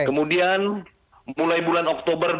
kemudian mulai bulan oktober